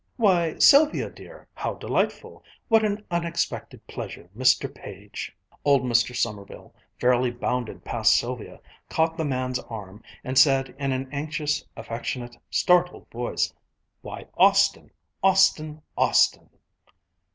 "Why, Sylvia dear, how delightful! What an unexpected pleasure, Mr. Page!" Old Mr. Sommerville fairly bounded past Sylvia, caught the man's arm, and said in an anxious, affectionate, startled voice, "Why, Austin! Austin! Austin!"